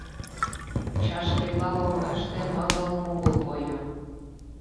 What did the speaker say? Чашкерла лоҥгаште мыгыл-мугыл койо.